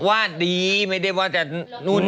อันนี้นั่นและนั่นนั่น